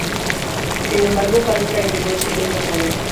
Sin embargo, Farmer agregó este quinto tomo.